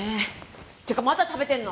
っていうかまだ食べてんの？